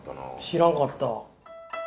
知らんかった。